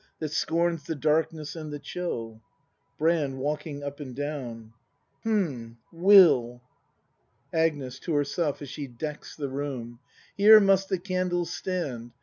That scorns the darkness and the chill. Brand. [Walki7ig up and down.] H'm, Will! 190 BRAND [ACT iv Agnes. [To herself, as she decks the room.] Here must the candles stand.